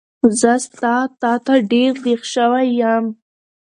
زه ستا تاته ډېر دیغ شوی یم